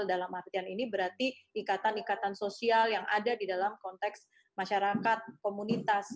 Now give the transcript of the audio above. dalam artian ini berarti ikatan ikatan sosial yang ada di dalam konteks masyarakat komunitas